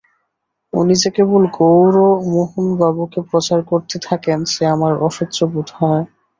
উনি যে কেবলই গৌরমোহনবাবুকে প্রচার করতে থাকেন সে আমার অসহ্য বোধ হয়।